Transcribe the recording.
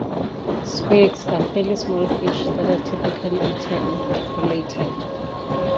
Squiggs are fairly small fish that are typically eaten "oolated".